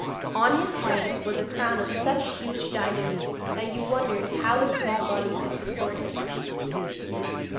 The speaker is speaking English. On his head was a crown of such huge diamonds that you wondered how his small body could support it.